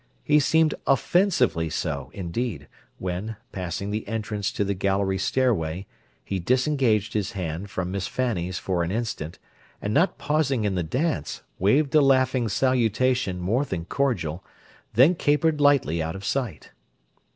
He seemed offensively so, indeed, when, passing the entrance to the gallery stairway, he disengaged his hand from Miss Fanny's for an instant, and not pausing in the dance, waved a laughing salutation more than cordial, then capered lightly out of sight.